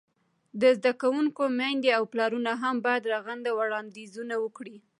د زده کوونکو میندې او پلرونه هم باید رغنده وړاندیزونه وکړي.